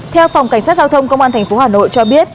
theo phòng cảnh sát giao thông công an thành phố hà nội cho biết